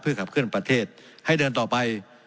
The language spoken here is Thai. ขับเคลื่อนประเทศให้เดินต่อไป